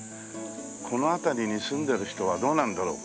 この辺りに住んでる人はどうなんだろうか？